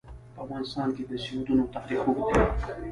په افغانستان کې د سیندونه تاریخ اوږد دی.